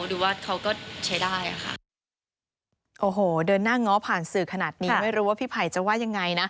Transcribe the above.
ดูว่าเขาก็ใช้ได้อ่ะค่ะ